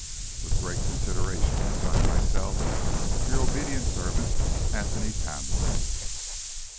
With great consideration I sign myself, Your obedient servant, ANTHONY TAMWORTH.